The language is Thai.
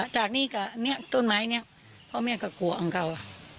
จากนี้ก็เนี่ยต้นไม้เนี่ยเพราะแม่ก็กลัวอ่างเก่าอ่ะ